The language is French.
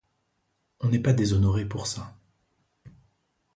On n'est pas déshonoré pour ça.